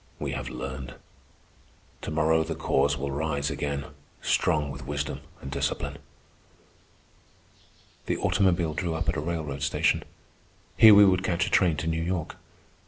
We have learned. To morrow the Cause will rise again, strong with wisdom and discipline." The automobile drew up at a railroad station. Here we would catch a train to New York.